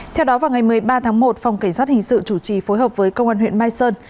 theo đó vào ngày một mươi ba tháng một phòng cảnh sát hình sự chủ trì phối hợp với công an huyện mai sơn